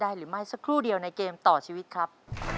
หรือไม่สักครู่เดียวในเกมต่อชีวิตครับ